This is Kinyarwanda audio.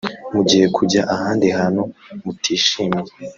mugiye kujya ahandi hantu mutishimiye